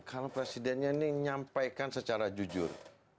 kalau presidennya ini nyampaikan secara jujur